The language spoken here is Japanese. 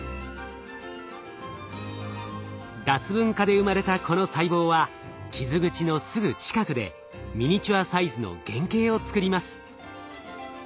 脱分化で生まれたこの細胞は傷口のすぐ近くでミニチュアサイズの原形を作ります。